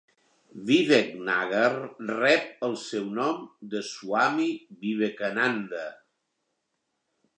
Vivek Nagar rep el seu nom de Swami Vivekananda.